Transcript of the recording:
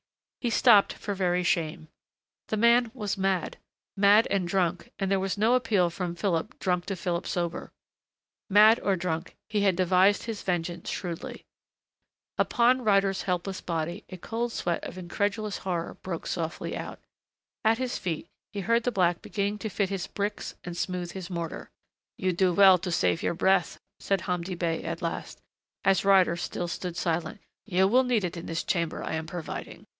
He stopped for very shame. The man was mad. Mad and drunk and there was no appeal from Philip drunk to Philip sober.... Mad or drunk, he had devised his vengeance shrewdly. Upon Ryder's helpless body a cold sweat of incredulous horror broke softly out. At his feet he heard the black beginning to fit his bricks and smooth his mortar. "You do well to save your breath," said Hamdi Bey at last, as Ryder still stood silent. "You will need it in this chamber I am providing....